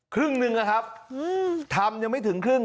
ครึ่งหนึ่งนะครับทำยังไม่ถึงครึ่ง